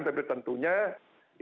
tapi tentunya ini